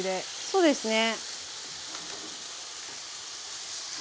そうですね。